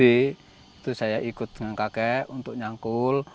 itu saya ikut dengan kakek untuk nyangkul